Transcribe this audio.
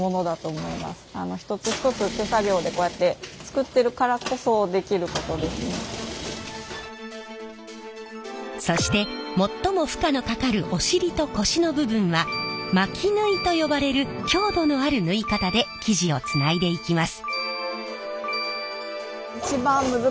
一つ一つそして最も負荷のかかるおしりと腰の部分は巻き縫いと呼ばれる強度のある縫い方で生地をつないでいきます。